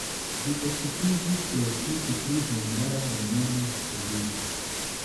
Li okupiĝis precipe pri hungara-rumana historio.